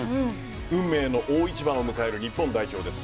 運命の大一番を迎える日本代表です。